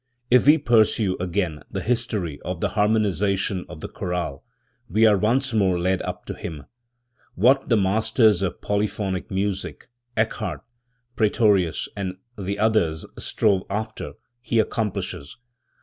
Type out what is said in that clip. If we pursue, again, the history of the harmonisation of the chorale, we are once more led up to him. What the masters of polyphonic music, Eccard, Praetorius and the others strove after, he accomplishes.